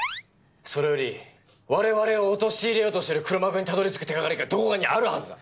それより我々を陥れようとしている黒幕にたどりつく手掛かりがどこかにあるはずだ。